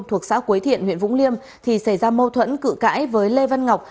thuộc xã quế thiện huyện vũng liêm thì xảy ra mâu thuẫn cự cãi với lê văn ngọc